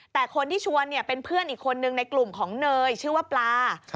แต่คนที่ชวนเป็นเพื่อนอีกคนนึงในกลุ่มของเนยชื่อว่าปลา